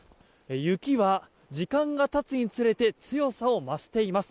雪は時間が経つにつれて強さを増しています。